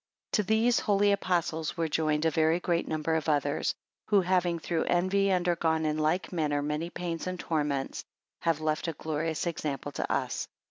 16 To these Holy Apostles were joined a very great number of others, who having through envy undergone in like manner many pains and torments, have left a glorious example to us.